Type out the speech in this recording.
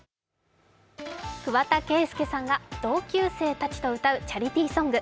桑田佳祐さんが同級生たちと歌うチャリティーソング。